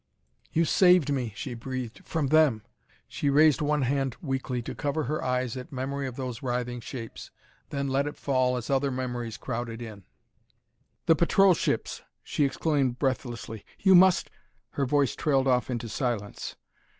"You saved me," she breathed, "from them!" She raised one hand weakly to cover her eyes at memory of those writhing shapes, then let it fall as other memories crowded in. "The patrol ships!" she exclaimed breathlessly. "You must...." Her voice trailed off into silence.